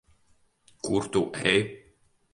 Kur tu ej?